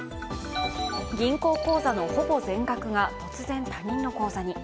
銀行口座のほぼ全額が突然、他人の口座に。